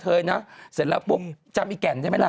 เธอยุ่งแล้วพบจำฟังแก่นใช่ไหมล่ะ